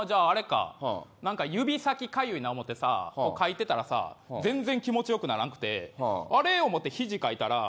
指先かゆいな思ってさかいてたらさ全然気持ち良くならんくてあれ思って、ひじかいたら。